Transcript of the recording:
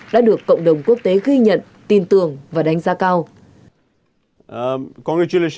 đã được cộng đồng quốc tế ghi nhận tin tưởng và đánh giá cao